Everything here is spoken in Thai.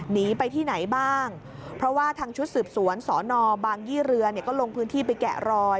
หนีไปที่ไหนบ้างเพราะว่าทางชุดสืบสวนสอนอบางยี่เรือเนี่ยก็ลงพื้นที่ไปแกะรอย